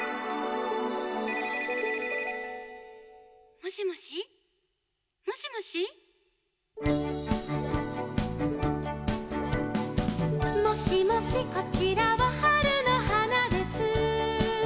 「もしもしもしもし」「もしもしこちらは春の花です」